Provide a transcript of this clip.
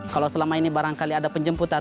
kalau selama ini barangkali ada penjemputan